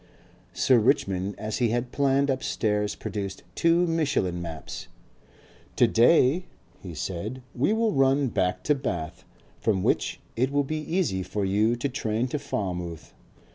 Sir Richmond as he had planned upstairs produced two Michelin maps. "To day," he said, "we will run back to Bath from which it will be easy for you to train to Falmouth.